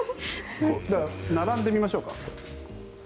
並んでみましょうか。